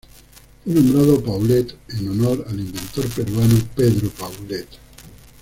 Fue nombrado Paulet en honor al inventor peruano Pedro Paulet.